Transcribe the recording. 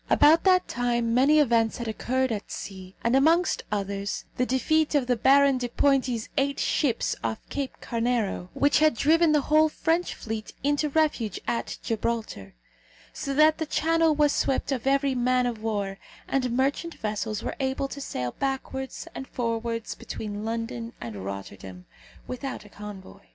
About that time many events had occurred at sea, and amongst others, the defeat of the Baron de Pointi's eight ships off Cape Carnero, which had driven the whole French fleet into refuge at Gibraltar; so that the Channel was swept of every man of war, and merchant vessels were able to sail backwards and forwards between London and Rotterdam, without a convoy.